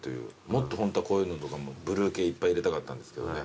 もっとホントはこういうのとかもブルー系いっぱい入れたかったんですけどね。